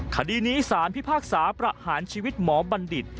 คดีนี้สารพิพากษาประหารชีวิตหมอบัณฑิต